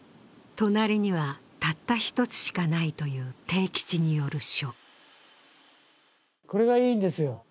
隣には、たった一つしかないという悌吉による書。